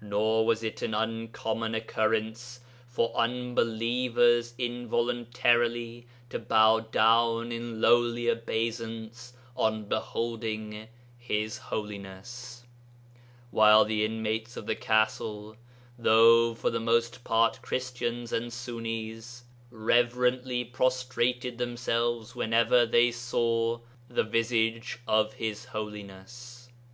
Nor was it an uncommon occurrence for unbelievers involuntarily to bow down in lowly obeisance on beholding His Holiness; while the inmates of the castle, though for the most part Christians and Sunnis, reverently prostrated themselves whenever they saw the visage of His Holiness.